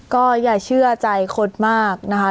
ก็อย่าเชื่อใจคดมากนะคะ